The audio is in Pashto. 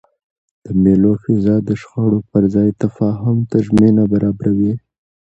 د مېلو فضا د شخړو پر ځای تفاهم ته زمینه برابروي.